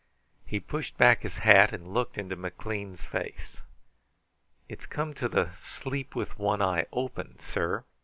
He pushed back his hat and looked into McLean's face. "It's come to the 'sleep with one eye open,' sir.